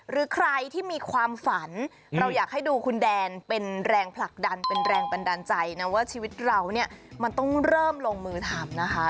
หรือใครที่มีความฝันเราอยากให้ดูคุณแดนเป็นแรงผลักดันเป็นแรงบันดาลใจนะว่าชีวิตเราเนี่ยมันต้องเริ่มลงมือทำนะคะ